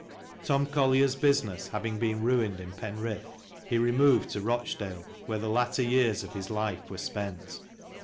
Tom Collier's business having been ruined in Penrith, he removed to Rochdale, where the latter years of his life were spent.